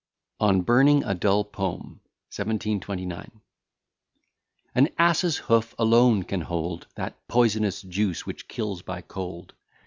] ON BURNING A DULL POEM 1729 An ass's hoof alone can hold That poisonous juice, which kills by cold.